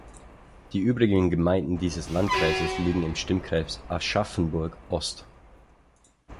Die übrigen Gemeinden dieses Landkreises liegen im Stimmkreis Aschaffenburg-Ost.